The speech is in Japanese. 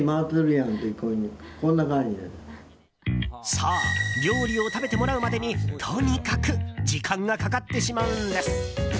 そう、料理を食べてもらうまでにとにかく時間がかかってしまうんです。